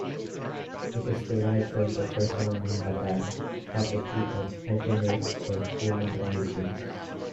It is derived from the personal name Batan, probably of Pecheneg or Cuman origin.